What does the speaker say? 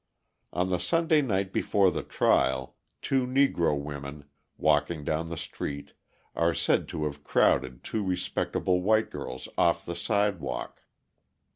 On the Sunday night before the trial, two Negro women, walking down the street are said to have crowded two respectable white girls off the sidewalk.